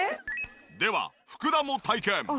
では福田も体験。